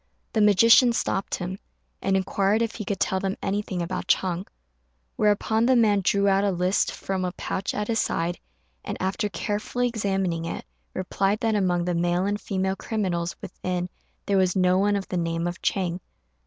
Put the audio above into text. The magician stopped him, and inquired if he could tell them anything about Ch'êng; whereupon the man drew out a list from a pouch at his side, and, after carefully examining it, replied that among the male and female criminals within there was no one of the name of Chang.